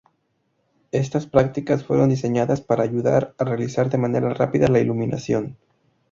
Estas prácticas fueron diseñadas para ayudar a realizar de manera rápida la iluminación.